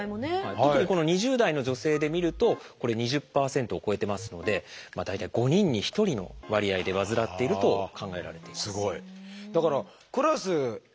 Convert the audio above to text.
特にこの２０代の女性で見ると２０％を超えてますので大体５人に１人の割合で患っていると考えられています。